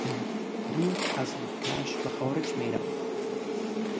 دود از دودکش به خارج میرود.